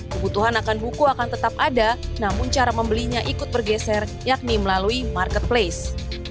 kebutuhan akan buku akan tetap ada namun cara membelinya ikut bergeser yakni melalui marketplace